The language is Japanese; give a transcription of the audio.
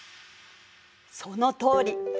そのとおり。